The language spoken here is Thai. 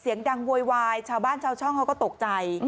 เสียงดังโวยวายชาวบ้านชาวช่องเขาก็ตกใจ